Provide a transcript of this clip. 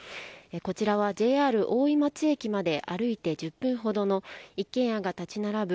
こちらはＪＲ大井町駅まで歩いて１０分ほどの一軒家が立ち並ぶ